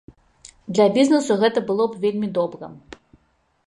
Для бізнесу гэта было б вельмі добра.